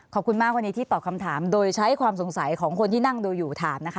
ขอบคุณมากวันนี้ที่ตอบคำถามโดยใช้ความสงสัยของคนที่นั่งดูอยู่ถามนะคะ